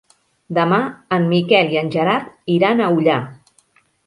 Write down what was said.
Demà en Miquel i en Gerard iran a Ullà.